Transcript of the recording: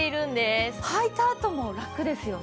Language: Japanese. はいたあともラクですよね。